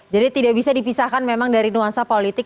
jadi tidak bisa dipisahkan memang dari nuansa politik